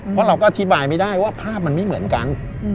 เพราะเราก็อธิบายไม่ได้ว่าภาพมันไม่เหมือนกัน